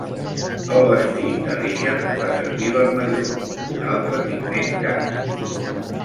El vestit de Richard fa servir vermelló, un altre pigment car.